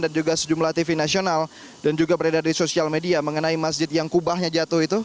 dan juga sejumlah tv nasional dan juga beredar di sosial media mengenai masjid yang kubahnya jatuh itu